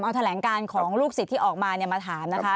เอาแถลงการของลูกศิษย์ที่ออกมามาถามนะคะ